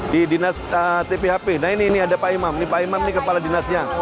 di dinas tphp nah ini ada pak imam nih pak imam ini kepala dinasnya